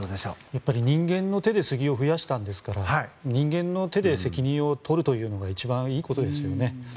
やっぱり人間の手でスギを増やしたんですから人間の手で責任を取るというのが一番いいことですよね。